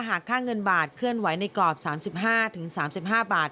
หากค่าเงินบาทเคลื่อนไหวในกรอบ๓๕๓๕บาท